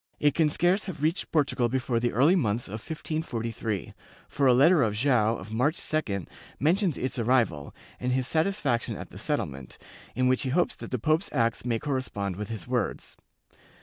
It can scarce have reached Portugal before the early months of 1543 for a letter of Joao of March 2d mentions its arrival and his satisfaction at the settlement, in which he hopes that the pope's acts may correspond with his words.